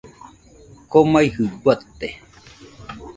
Komaijɨ guate